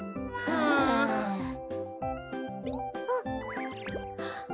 あっ。